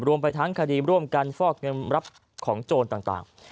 รวมไปทั้งคดีร่วมกันฟอกเงินรับของโจรต่าง